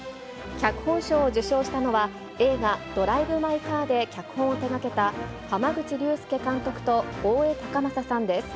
脚本賞を受賞したのは、映画、ドライブ・マイ・カーで脚本を手がけた、濱口竜介監督と大江崇允さんです。